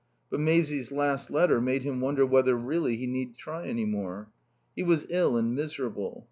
But Maisie's last letter made him wonder whether, really, he need try any more. He was ill and miserable.